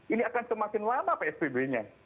ini akan semakin lama psbb nya